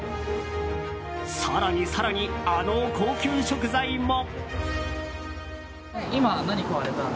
更に更に、あの高級食材も。